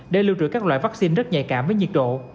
để lưu trữ các loại vaccine rất nhạy cảm với nhiệt độ